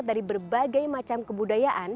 dari berbagai macam kebudayaan